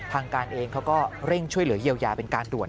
ทางการเองเขาก็เร่งช่วยเหลือเยียวยาเป็นการด่วน